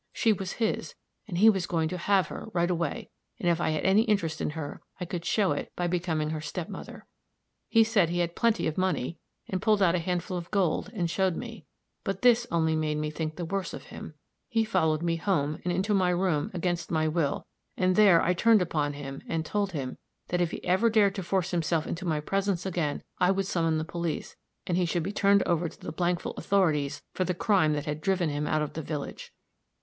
She was his, and he was going to have her, right away; and if I had any interest in her, I could show it by becoming her step mother. He said he had plenty of money, and pulled out a handful of gold and showed me. But this only made me think the worse of him. He followed me home, and into my room, against my will, and there I turned upon him and told him that if he ever dared to force himself into my presence again, I would summon the police, and he should be turned over to the Blankville authorities for the crime that had driven him out of the village.